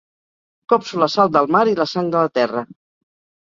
Copso la sal del mar i la sang de la terra.